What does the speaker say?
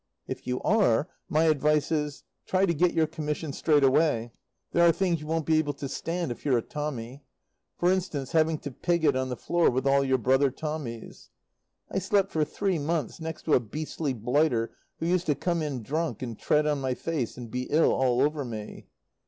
If you are, my advice is, try to get your commission straight away. There are things you won't be able to stand if you're a Tommy. For instance, having to pig it on the floor with all your brother Tommies. I slept for three months next to a beastly blighter who used to come in drunk and tread on my face and be ill all over me.